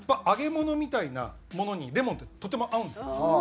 揚げ物みたいなものにレモンってとても合うんですよ。